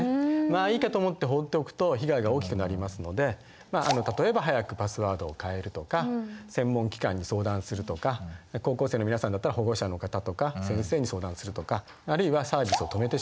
まあいいかと思って放っておくと被害が大きくなりますので例えば早くパスワードを変えるとか専門機関に相談するとか高校生の皆さんだったら保護者の方とか先生に相談するとかあるいはサービスを止めてしまう。